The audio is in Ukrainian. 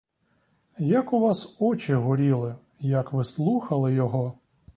Як у вас очі горіли, як ви слухали його!